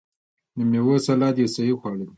د میوو سلاد یو صحي خواړه دي.